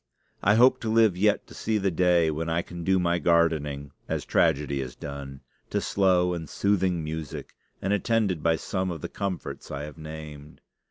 I hope to live yet to see the day when I can do my gardening, as tragedy is done, to slow and soothing music, and attended by some of the comforts I have named.